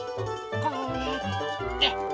こうやって。